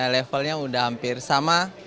levelnya udah hampir sama